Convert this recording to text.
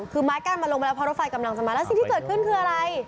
คือไม้กั้นมันลงไปแล้วเพราะรถไฟกำลังจะมาแล้วสิ่งที่เกิดขึ้นคืออะไร